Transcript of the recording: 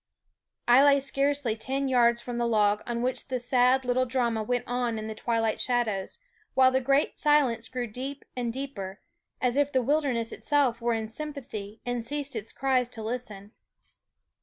I lay scarcely ten yards from the log on which the sad little drama went on in the twilight shadows, while the great silence grew deep and deeper, as if the wilderness itself were in sympathy and ceased its cries to listen.